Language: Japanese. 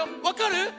わかる？